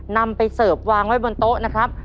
นำไปเสิร์ฟวางไว้บนโต๊ะนะครับ